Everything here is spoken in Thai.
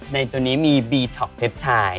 ในตัวนี้มีบีท็อกเพชรชาย